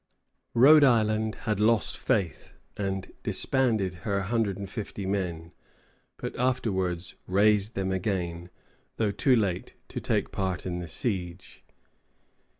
] Rhode Island had lost faith and disbanded her 150 men; but afterwards raised them again, though too late to take part in the siege.